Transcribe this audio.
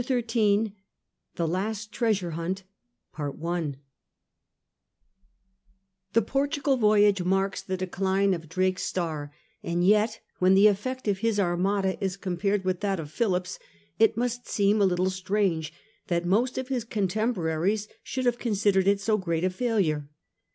CHAPTEE Xm THE LAST TREASURE HUNT The Portugal Voyage marks the decline of Drake's star, and yet, when the effect of his Armada is compared with that of Philip's, it must seem a little strange that most of his contemporaries should have considered it so great a failure.